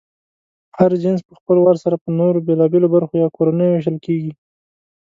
هر جنس پهخپل وار سره په نورو بېلابېلو برخو یا کورنیو وېشل کېږي.